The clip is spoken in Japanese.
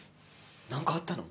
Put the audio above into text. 何かあったの？